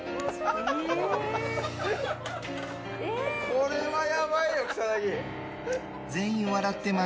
これはヤバいよ、草薙！